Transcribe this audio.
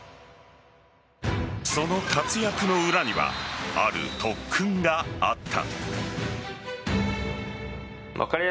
その活躍の裏にはある特訓があった。